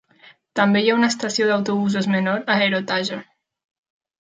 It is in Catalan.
També hi ha una estació d'autobusos menor a Erottaja.